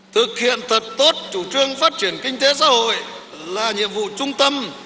thực hiện thật tốt chủ trương phát triển kinh tế xã hội là nhiệm vụ trung tâm